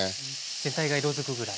全体が色づくぐらい。